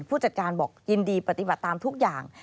ผู้จัดการบอกยินดีปฏิบัติตามทุกอย่าง